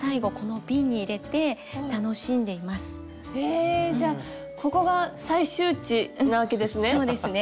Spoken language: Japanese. えじゃあここが最終地なわけですね。